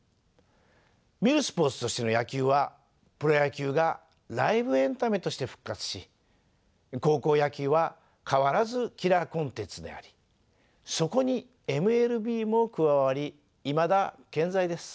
みるスポーツとしての野球はプロ野球がライブエンタメとして復活し高校野球は変わらずキラーコンテンツでありそこにＭＬＢも加わりいまだ健在です。